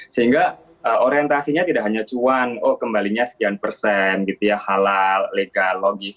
sehingga orientasinya tidak hanya cuan oh kembalinya sekian persen gitu ya halal legal logis